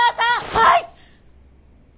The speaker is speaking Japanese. はい！